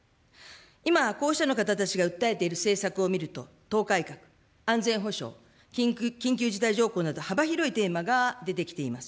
今、候補者の方たちが訴えている政策を見ると、党改革、安全保障、緊急事態条項など、幅広いテーマが出てきています。